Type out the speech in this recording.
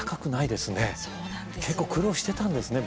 結構苦労してたんですね